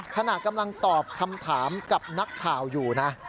ขณะกำลังตอบคำถามกับนักข่าวอยู่นะ